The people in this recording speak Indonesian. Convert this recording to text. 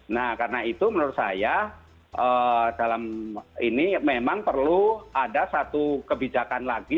nah karena itu menurut saya dalam ini memang perlu ada satu kebijakan lagi